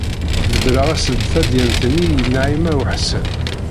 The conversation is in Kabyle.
Tbedreḍ-as-d tadyant-nni i Naɛima u Ḥsen.